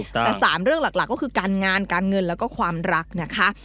แต่๓เรื่องหลักก็คือการงานการเงินแล้วก็ความรักนะคะ